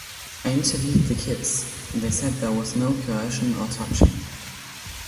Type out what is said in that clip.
I interviewed the kids, and they said there was no coercion or touching.